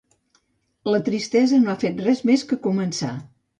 La tristesa no ha fet res més que començar.